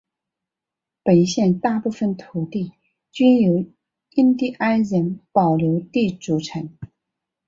本县大部份土地均由印第安人保留地组成。